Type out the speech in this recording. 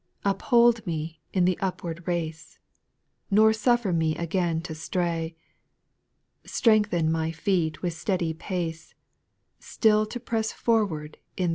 6. Uphold me in the upward race, Nor suffer me again to stray ; Strengthen my feet with steady pace Still to press forward in.